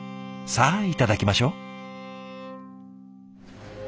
さあいただきましょう。